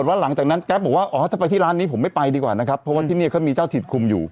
วันนี้ผมไม่ไปดีกว่านะครับเพราะว่าที่เนี่ยเขามีเจ้าถิดคุมอยู่